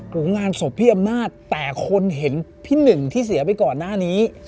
งานศพพี่อำนาจแต่คนเห็นพี่หนึ่งที่เสียไปก่อนหน้านี้